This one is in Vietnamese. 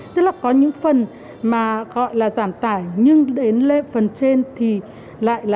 tức là có những phần mà gọi là giảm tải nhưng đến lên phần trên thì lại là